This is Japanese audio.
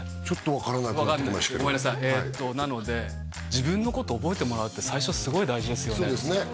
ちょっと分からなくなってごめんなさいえっとなので自分のことを覚えてもらうって最初すごい大事ですよね